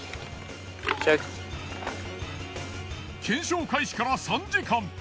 検証開始から３時間。